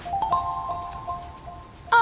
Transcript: あ！